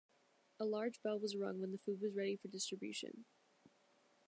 A large bell was rung when the food was ready for distribution.